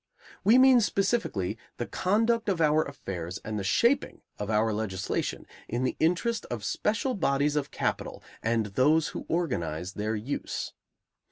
We mean, specifically, the conduct of our affairs and the shaping of our legislation in the interest of special bodies of capital and those who organize their use.